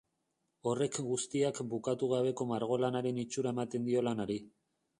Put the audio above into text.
Horrek guztiak bukatu gabeko margolanaren itxura ematen dio lanari.